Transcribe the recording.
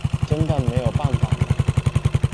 真的没有办法吗？